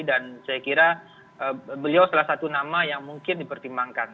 dan saya kira beliau salah satu nama yang mungkin dipertimbangkan